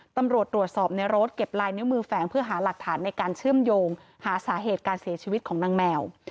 ตำรวจตรวจสอบในรถเก็บลายนิ้วมือแฝงเพื่อหาหลักฐานในการเชื่อมโยงหาสาเหตุการเสียชีวิตของนางแมว